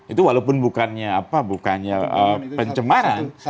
itu walaupun bukannya pencemaran